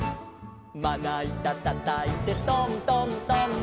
「まないたたたいてトントントン」